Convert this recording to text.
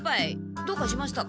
どうかしましたか？